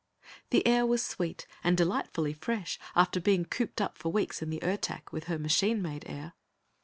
The air was sweet, and delightfully fresh after being cooped up for weeks in the Ertak, with her machine made air.